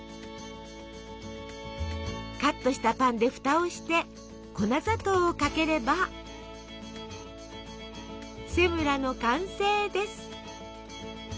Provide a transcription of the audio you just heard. カットしたパンでふたをして粉砂糖をかければセムラの完成です。